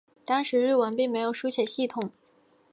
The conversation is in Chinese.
当时日文并没有书写系统。